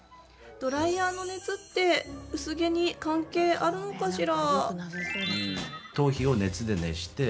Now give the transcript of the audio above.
ドライヤーの熱って薄毛に関係あるのかしら？